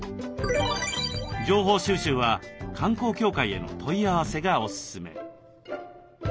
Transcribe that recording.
情報収集は観光協会への問い合わせがおすすめ。